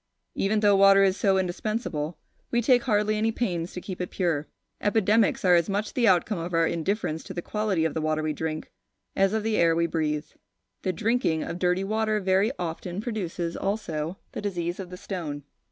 Even though water is so indispensable, we take hardly any pains to keep it pure. Epidemics are as much the outcome of our indifference to the quality of the water we drink, as of the air we breathe. The drinking of dirty water very often produces also the disease of the stone.